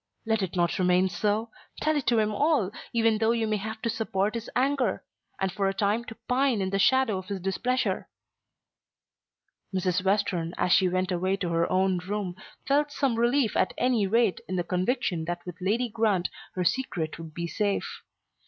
Let it not remain so. Tell it to him all even though you may have to support his anger, and for a time to pine in the shadow of his displeasure." Mrs. Western as she went away to her own room felt some relief at any rate in the conviction that with Lady Grant her secret would be safe.